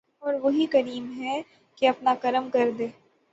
او ر وہی کریم ہے کہ اپنا کرم کردے ۔